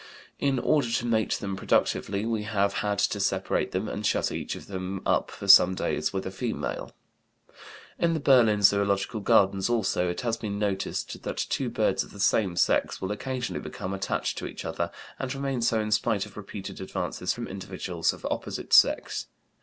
In order to mate them productively we have had to separate them and shut each of them up for some days with a female." In the Berlin Zoölogical Gardens also, it has been noticed that two birds of the same sex will occasionally become attached to each other and remain so in spite of repeated advances from individuals of opposite sex.